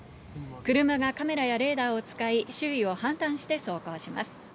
車がカメラやレーダーを使い、周囲を判断して走行します。